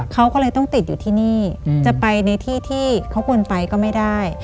เขาก็เลยต้องติดอยู่ที่นี่จะไปในที่ที่เขาควรไปก็ไม่ได้